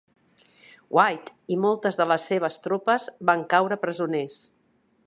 White i moltes de les seves tropes van caure presoners.